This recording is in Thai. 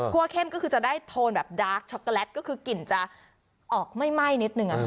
เข้มก็คือจะได้โทนแบบดาร์กช็อกโกแลตก็คือกลิ่นจะออกไม่ไหม้นิดนึง